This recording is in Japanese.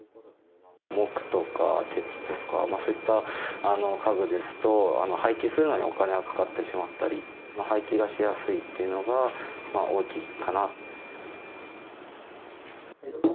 木とか鉄とか、そういった家具ですと、廃棄するのにお金がかかってしまったり、廃棄がしやすいっていうのが大きいかな。